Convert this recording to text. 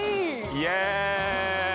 ◆イエーイ。